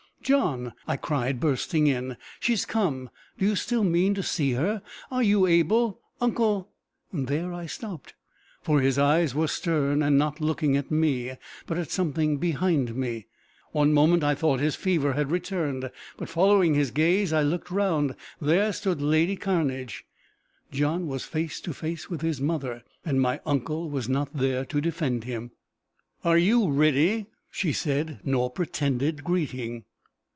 "John!" I cried, bursting in, "she's come! Do you still mean to see her? Are you able? Uncle " There I stopped, for his eyes were stern, and not looking at me, but at something behind me. One moment I thought his fever had returned, but following his gaze I looked round: there stood lady Cairnedge! John was face to face with his mother, and my uncle was not there to defend him! "Are you ready?" she said, nor pretended greeting.